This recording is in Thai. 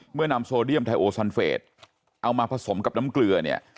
นำโซเดียมไทโอซันเฟสเอามาผสมกับน้ำเกลือเนี่ย